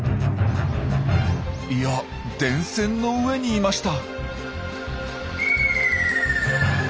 いや電線の上にいました。